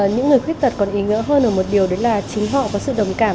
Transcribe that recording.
những người khuyết tật còn ý nghĩa hơn là một điều đó là chính họ có sự đồng cảm